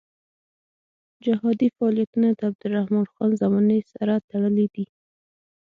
جهادي فعالیتونه د عبدالرحمن خان زمانې سره تړلي دي.